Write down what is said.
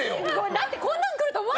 だってこんなんくると思わない。